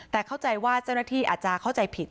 แต่เข้าใจว่าเจ้าหน้าที่อาจจะเข้าใจผิด